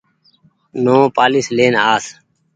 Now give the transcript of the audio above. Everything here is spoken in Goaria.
نوپآليس لين آس ۔